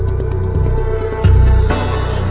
สิ่งที่เราจะลืม